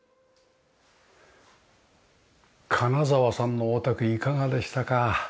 金澤さんのお宅いかがでしたか？